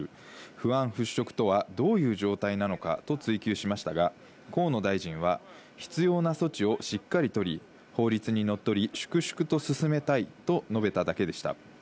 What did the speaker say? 不安払拭とはどういう状態なのかと追及しましたが、河野大臣は必要な措置をしっかり取り、法律にのっとり、粛々と進めたいと述べただけでした。